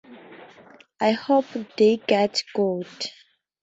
I hope they get good.